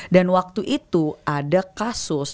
dan waktu itu ada kasus